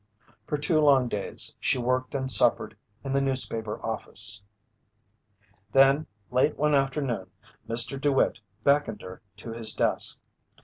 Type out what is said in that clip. For two long days she worked and suffered in the newspaper office. Then late one afternoon, Mr. DeWitt beckoned her to his desk.